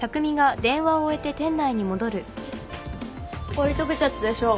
氷とけちゃったでしょ。